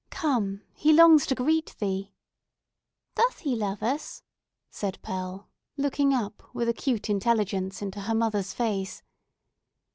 Come he longs to greet thee!" "Doth he love us?" said Pearl, looking up with acute intelligence into her mother's face.